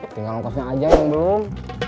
tinggal ngokosnya aja yang belum